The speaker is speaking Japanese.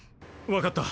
わかった。